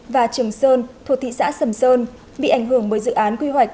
và trường sơn thuộc thị xã sầm sơn bị ảnh hưởng bởi dự án quy hoạch